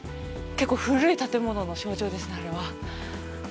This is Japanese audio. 結構、古い建物の象徴ですね、あれは。